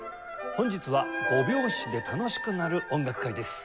本日は「５拍子で楽しくなる音楽会」です。